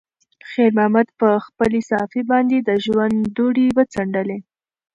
خیر محمد په خپلې صافې باندې د ژوند دوړې وڅنډلې.